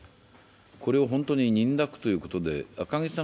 これを本当に認諾ということで、赤木さん